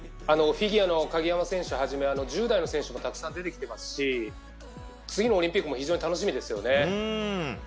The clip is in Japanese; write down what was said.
フィギュアの鍵山選手をはじめ１０代の選手もたくさん出てきてますし次のオリンピックも非常に楽しみですよね。